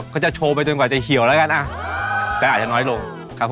ก็จะโชว์ไปจนกว่าจะเหี่ยวแล้วกันอ่ะแต่อาจจะน้อยลงครับผม